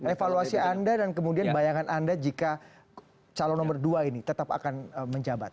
evaluasi anda dan kemudian bayangan anda jika calon nomor dua ini tetap akan menjabat